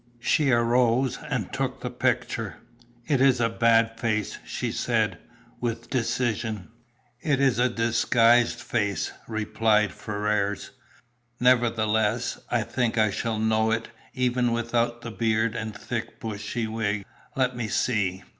She arose and took the picture. "It is a bad face," she said, with decision. "It is a disguised face," replied Ferrars. "Nevertheless, I think I shall know it, even without the beard and thick, bushy wig. Let me see?"